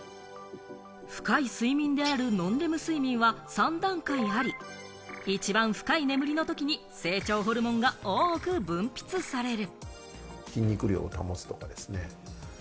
深い睡眠であるノンレム睡眠は３段階あり、一番深い眠りのときに成長ホルモンが多く分泌される。